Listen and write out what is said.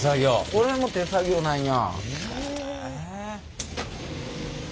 これも手作業なんや。